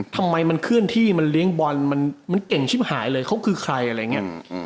ทำไมมันเคลื่อนที่มันเลี้ยงบอลมันเก่งชิบหายเลยเขาคือใครอะไรอย่างนี้